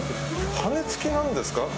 羽根付きなんですか。